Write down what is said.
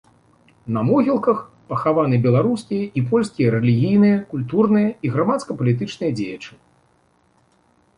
На могілках пахаваны беларускія і польскія рэлігійныя, культурныя і грамадска-палітычныя дзеячы.